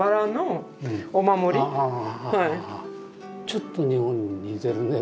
ちょっと日本に似てるね。